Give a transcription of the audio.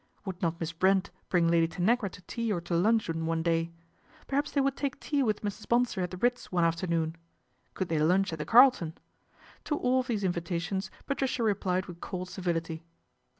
Would not Miss Brent bring Lady Tanagra to tea or to luncheon one day ? Perhaps they would take tea with Mrs. Bonsor at the Ritz one afternoon ? Could they lunch at the Carlton ? To all of these invitations Patricia replied with cold civility.